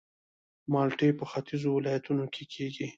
مالټې په ختیځو ولایتونو کې کیږي